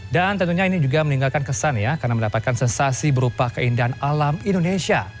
dan tentunya ini juga meninggalkan kesan ya karena mendapatkan sensasi berupa keindahan alam indonesia